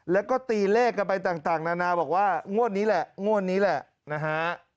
แล้วก็ตีเลขกันไปต่างนานาบอกว่างวดนี้แหละงวดนี้แหละนะฮะ